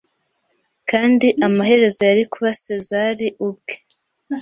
Kandi amaherezo yari kuba Sezari ubwe